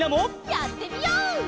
やってみよう！